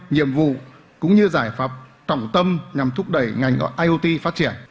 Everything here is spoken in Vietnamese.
nhiệm vụ cũng như giải pháp trọng tâm nhằm thúc đẩy ngành iot phát triển